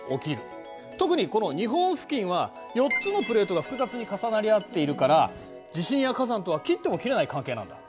特にこの日本付近は４つのプレートが複雑に重なり合っているから地震や火山とは切っても切れない関係なんだ。